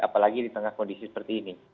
apalagi di tengah kondisi seperti ini